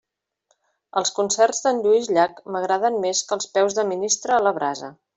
Els concerts d'en Lluís Llach m'agraden més que els peus de ministre a la brasa.